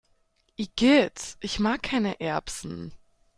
Igitt, ich mag keine Erbsen!